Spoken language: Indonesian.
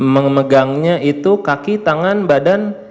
memegangnya itu kaki tangan badan